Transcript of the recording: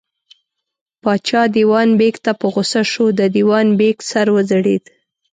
پاچا دېوان بېګ ته په غوسه شو، د دېوان بېګ سر وځړېد.